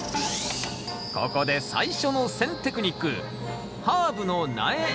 ここで最初の選テクニック